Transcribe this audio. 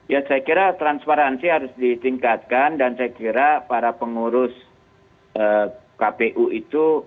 ya saya kira transparansi harus ditingkatkan dan saya kira para pengurus kpu itu